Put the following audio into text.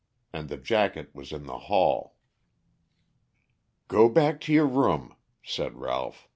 And the jacket was in the hall. "Go back to your room," said Ralph.